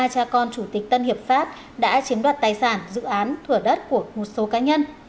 ba cha con chủ tịch tân hiệp pháp đã chiếm đoạt tài sản dự án thủa đất của một số cá nhân